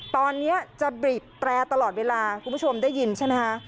ตอนนี้จะบีบแตรตลอดเวลาคุณผู้ชมได้ยินใช่ไหมคะ